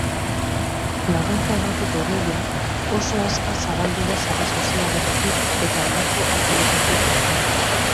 Laguntza emateko deia oso azkar zabaldu da sare sozialetatik eta alboko herrietatik ere.